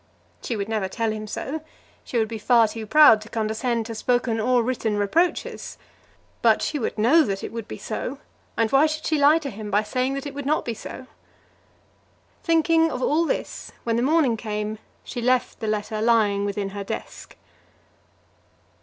She would never tell him so. She would be far too proud to condescend to spoken or written reproaches. But she would know that it would be so, and why should she lie to him by saying that it would not be so? Thinking of all this, when the morning came, she left the letter lying within her desk.